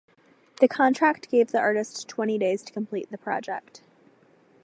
The contract gave the artist twenty days to complete the project.